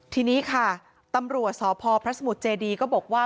ทีนี้ค่ะตำรวจสพพระสมุทรเจดีก็บอกว่า